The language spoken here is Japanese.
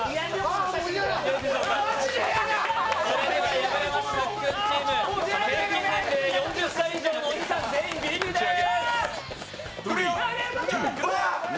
敗れましたさっくんチーム、平均年齢４０歳以上のおじさん、全員ビリビリです！